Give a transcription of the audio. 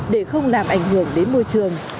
để không làm ảnh hưởng đến môi trường